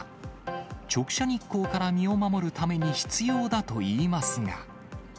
直射日光から身を守るために必要だといいますが。